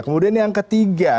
kemudian yang ketiga